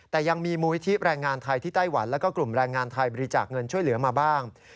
แต่ยังมีมูลิธิแรงงานไทยที่ไต้หวันแล้วก็กลุ่มแรงงานไทยบริจาคเงินช่วยเหลือมาบ้าง